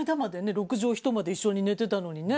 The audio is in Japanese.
六畳一間で一緒に寝てたのにね。